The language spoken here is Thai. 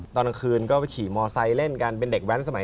ตอนกลางคืนก็ขี่มอไซค์เล่นกันเป็นเด็กแว้นสมัย